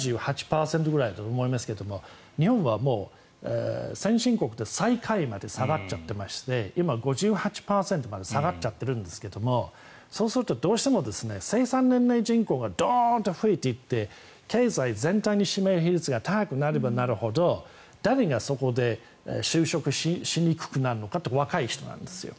７８％ぐらいだと思いますが日本はもう先進国で最下位まで下がっちゃってまして今、５８％まで下がっちゃってるんですけれどもそうするとどうしても生産年齢人口がドーンと増えていって経済全体の占める比率が高くなればなるほど誰がそこで就職しにくくなるのかって若い人なんですよ。